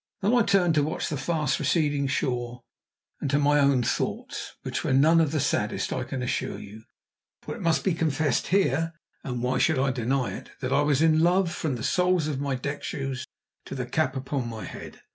Then I turned to watch the fast receding shore, and to my own thoughts, which were none of the saddest, I can assure you. For it must be confessed here and why should I deny it? that I was in love from the soles of my deck shoes to the cap upon my head.